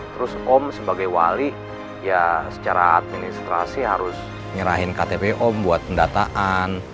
terus om sebagai wali ya secara administrasi harus nyerahin ktp om buat pendataan